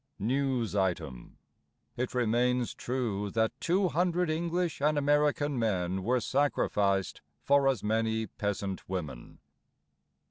(News Item: It remains true that two hundred English and American men were sacrificed for as many peasant women.")